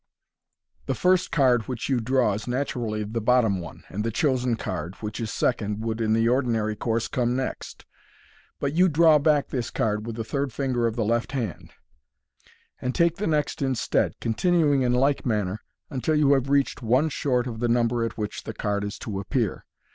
The first card which you draw is naturally the bottom one, and the chosen card, which is second, would in the ordinary course come next j but you " draw back " this card with the third finger of the left hand (see page 36) and take the next instead, continuing in like manner until you have reached one short of the number at which the card is to appear.